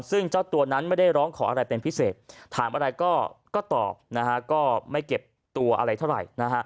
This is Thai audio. ซึ่งเจ้าตัวนั้นไม่ได้ร้องขออะไรเป็นพิเศษถามอะไรก็ตอบนะฮะก็ไม่เก็บตัวอะไรเท่าไหร่นะฮะ